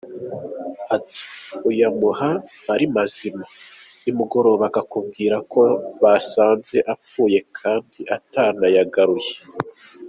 Ati, « uyamuha ari mazima, nimugoroba akakubwira ko basanze apfuye, kandi atanayagaruye.